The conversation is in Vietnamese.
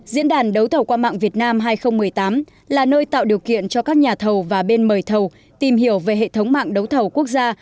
diễn đàn đấu thầu qua mạng việt nam hai nghìn một mươi tám là nơi tạo điều kiện cho các nhà thầu và bên mời thầu tìm hiểu về hệ thống mạng đấu thầu quốc gia